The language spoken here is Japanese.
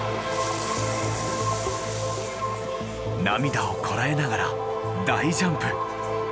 涙をこらえながら大ジャンプ。